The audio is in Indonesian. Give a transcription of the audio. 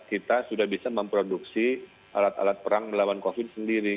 kita sudah bisa memproduksi alat alat perang melawan covid sendiri